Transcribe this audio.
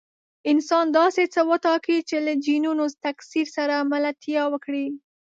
انسان داسې څه وټاکي چې له جینونو تکثیر سره ملتیا وکړي.